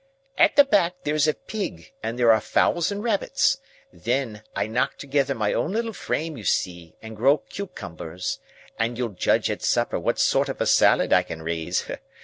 "—At the back, there's a pig, and there are fowls and rabbits; then, I knock together my own little frame, you see, and grow cucumbers; and you'll judge at supper what sort of a salad I can raise.